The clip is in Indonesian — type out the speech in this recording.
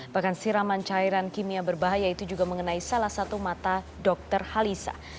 bahkan siraman cairan kimia berbahaya itu juga mengenai salah satu mata dokter halisa